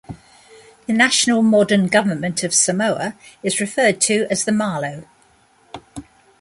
The national modern Government of Samoa is referred to as the "Malo".